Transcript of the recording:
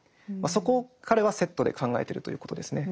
そこを彼はセットで考えてるということですね。